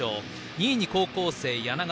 ２位に高校生、柳川。